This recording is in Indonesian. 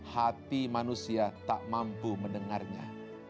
hati manusia tak mampu mendengarnya